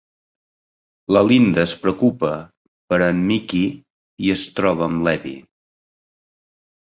La Linda es preocupa per a en Mickey i es troba amb l'Eddie.